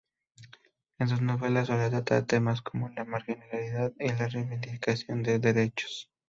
En sus novelas, solía tratar temas como la marginalidad y la reivindicación de derechos.